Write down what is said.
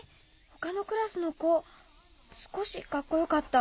他のクラスの子少しカッコよかった。